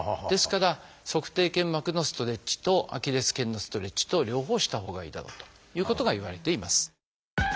ですから足底腱膜のストレッチとアキレス腱のストレッチと両方したほうがいいだろうということがいわれています。